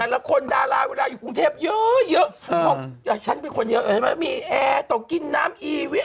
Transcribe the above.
อันดัลคนดาราอยู่กรุงเทพเยอะฉันเป็นคนเยอะมีแอร์ต้องกินน้ำอีเวีย